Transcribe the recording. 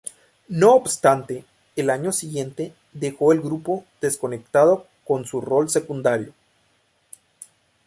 No obstante, al año siguiente dejó el grupo descontento con su rol secundario.